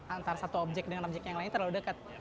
antara satu objek dengan objek yang lain terlalu dekat